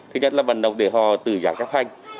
thứ nhất là vận động để họ tự giác chấp hành